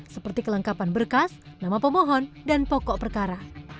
seperti kelengkapan berkas nama pemohon dan pokok perkara